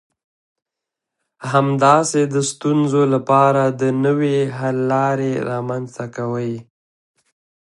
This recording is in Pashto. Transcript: همداسې د ستونزو لپاره د نوي حل لارې رامنځته کوي.